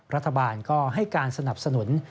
รัฐบาลก็ให้การสนับสนุน